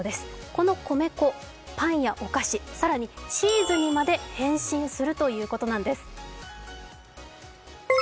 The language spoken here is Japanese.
この米粉、パンやお菓子、更にチーズにまで変身するということなんです。